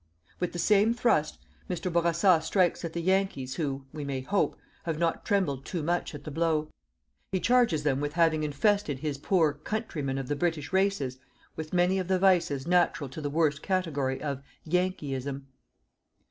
With the same thrust, Mr. Bourassa strikes at the Yankees who, we may hope, have not trembled too much at the blow. He charges them with having infested his poor countrymen of the British races with many of the vices natural to the worst category of "YANKEEISM."